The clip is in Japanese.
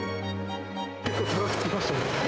結構高くつきましたね。